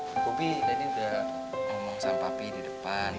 bobby tadi udah ngomong sama papi di depan